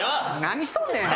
何しとんねん！